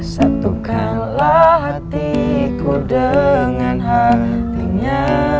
satukanlah hatiku dengan hatinya